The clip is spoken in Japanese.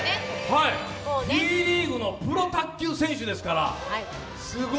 Ｔリーグのプロ卓球選手ですから。